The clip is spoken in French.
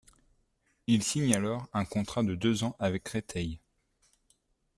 Il signe alors un contrat de deux ans avec Créteil.